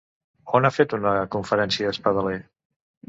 On ha fet una conferència Espadaler?